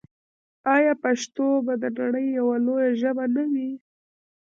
آیا پښتو به د نړۍ یوه لویه ژبه نه وي؟